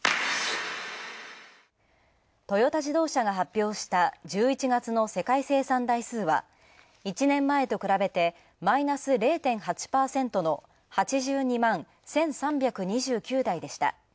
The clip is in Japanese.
トヨタ自動車が発表した１１月の世界生産台数は１年前と比べてマイナス０．８％の８２万１３２９台でした。